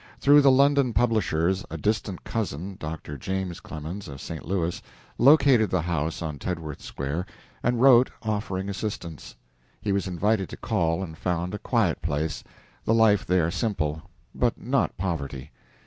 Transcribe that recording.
Through the London publishers a distant cousin, Dr. James Clemens, of St. Louis, located the house on Tedworth Square, and wrote, offering assistance. He was invited to call, and found a quiet place the life there simple but not poverty.